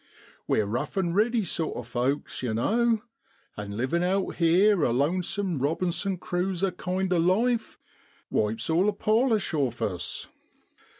We're rough an' riddy sort of folks, yer know, and livin' out here a lonesome Robinson Cruzer kind of life wipes all the polish off of us.